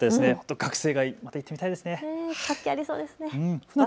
学生街、行ってみたいですね。